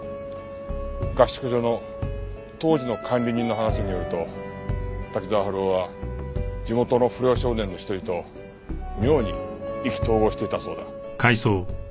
合宿所の当時の管理人の話によると滝沢春夫は地元の不良少年の一人と妙に意気投合していたそうだ。